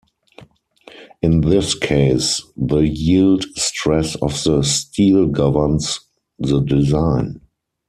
In this case the yield stress of the steel governs the design.